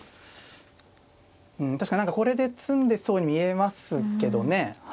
うん確かにこれで詰んでそうに見えますけどね。